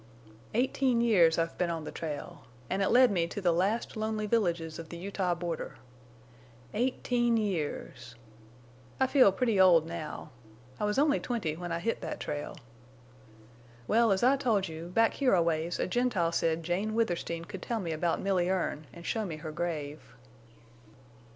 "Eighteen years I've been on the trail. An' it led me to the last lonely villages of the Utah border. Eighteen years!... I feel pretty old now. I was only twenty when I hit that trail. Well, as I told you, back here a ways a Gentile said Jane Withersteen could tell me about Milly Erne an' show me her grave!"